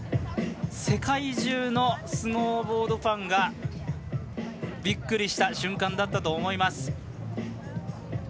世界中のスノーボードファンがびっくりした瞬間だったと思います。